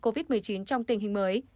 covid một mươi chín trong tình hình mới